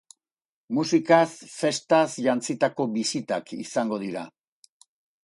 Musikaz, festaz, jantzitako bisitak izango dira.